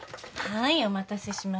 はい。